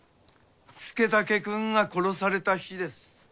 佐武くんが殺された日です。